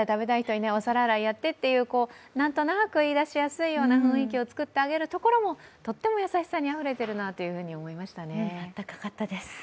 お皿洗いやってという、何となく言い出しやすいような雰囲気を作ってあげるところもとっても優しさにあふれているなと思いましたね。